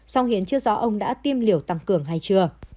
song hiện chưa rõ ông đã tiêm liều tăng cường hay chưa